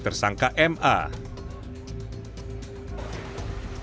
tersangka ma yang dibekap oleh tersangka ma